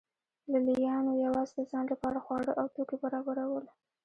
لې لیانو یوازې د ځان لپاره خواړه او توکي برابرول